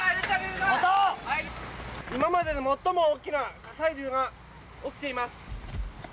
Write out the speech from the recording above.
音、今までで最も大きな火砕流が起きています。